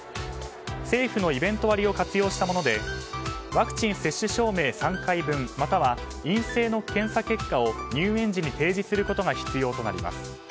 政府のイベント割を活用したものでワクチン接種証明３回分または陰性の検査結果を入園時に提示することが必要となります。